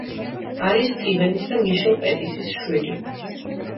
არის სტივენის და მიშელ პეტისის შვილი.